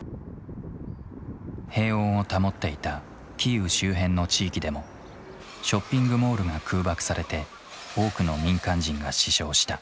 平穏を保っていたキーウ周辺の地域でもショッピングモールが空爆されて多くの民間人が死傷した。